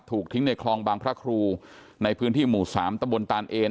ถูกทิ้งในคลองบางพระครูในพื้นที่หมู่สามตะบนตานเอน